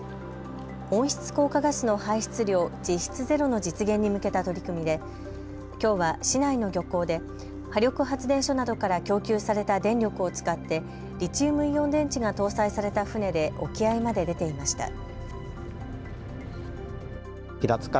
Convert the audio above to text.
温室効果ガスの排出量、実質ゼロの実現に向けた取り組みできょうは市内の漁港で波力発電所などから供給された電力を使ってリチウムイオン電池が搭載された船で沖合まで出ていました。